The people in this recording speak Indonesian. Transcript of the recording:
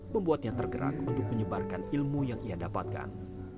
membuatnya tergerak untuk menyebarkan ilmu yang ia dapatkan